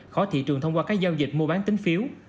khó thị trường thông qua các giao dịch mua bán tính phiếu